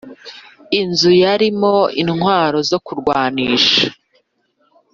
inzu yarimo intwaro zo kurwanisha,